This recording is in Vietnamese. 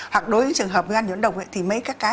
hoặc đối với trường hợp viêm gan nhiễm độc thì mấy cái cái